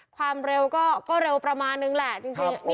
ความเร็วก็เร็วประมาณนึงแหละจริง